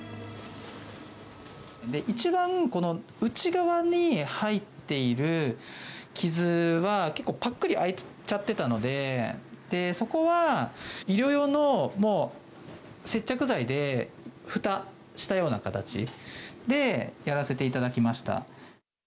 一番内側に入っている傷は、結構、ぱっくり開いちゃってたので、そこは医療用の接着剤でふたしたような形で、やらせていただきました。